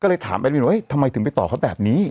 ก็เลยถามแอดมินว่าทำไมถึงไปต่อเขาแบบนี้